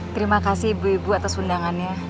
terima kasih ibu ibu atas undangannya